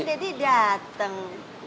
ini deddy datang